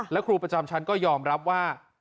และครูประจำชั้นก็ยอมรับว่า